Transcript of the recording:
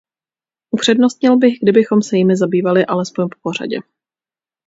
Upřednostnil bych, kdybychom se jimi zabývali alespoň popořadě.